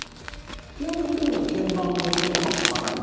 ピアノ弾けるのに鍵盤ＭＩＤＩ鍵盤は使わないの？